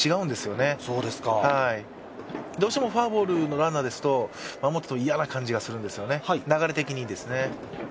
どうしてもフォアボールのランナーですと、守ってると嫌な感じがするんですよね。